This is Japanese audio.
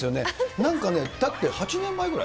なんかね、だって８年前ぐらい？